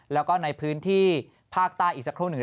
แล้วก็ในพื้นที่ภาคใต้อีกสักครู่หนึ่ง